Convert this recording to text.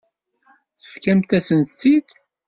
Tefkamt-asen-tt-id.